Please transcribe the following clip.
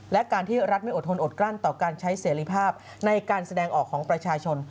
และการที่รัฐไม่อดทนอดกลั้นต่อการใช้เสรีภาพในการแสดงออกของประชาชน